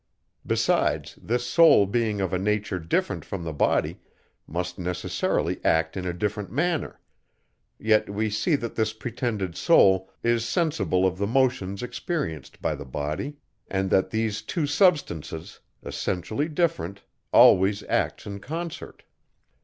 Besides, this soul being of a nature different from the body, must necessarily act in a different manner; yet we see that this pretended soul is sensible of the motions experienced by the body, and that these two substances, essentially different, always acts in concert.